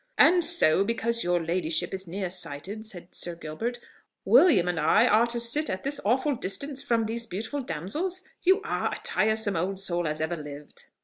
"And so, because your ladyship is near sighted," said Sir Gilbert, "William and I are to sit at this awful distance from these beautiful damsels? You are a tiresome old soul as ever lived!"